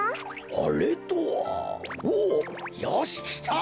あれとはおおよしきた！